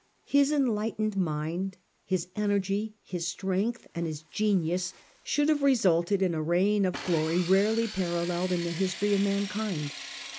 His enlightened mind, his energy, his strength and his genius, should have resulted in a reign of a glory rarely paralleled in the history of mankind.